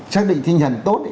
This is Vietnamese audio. xác định tinh thần tốt